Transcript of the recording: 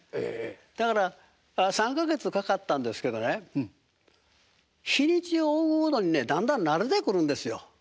だから３か月かかったんですけどね日にちを追うごとにねだんだん慣れてくるんですよ。